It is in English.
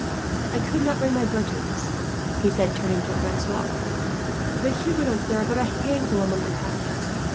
"I could not bring my Bretons," he said, turning to Francois. "The Huguenots there are but a handful among the Catholics.